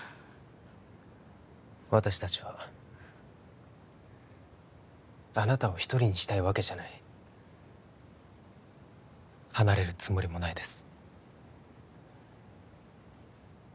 私たちはあなたを一人にしたいわけじゃない離れるつもりもないです